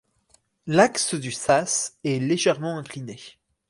L’axe du sas est légèrement incliné.